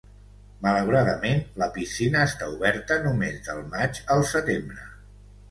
Malauradament la piscina està oberta només del maig al setembre.